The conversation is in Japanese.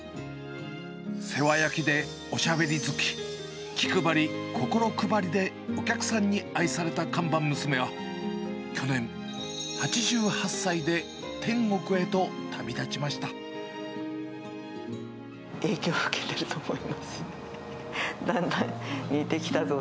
世話焼きでおしゃべり好き、気配り、心配りでお客さんに愛された看板娘は、去年、影響を受けてると思います。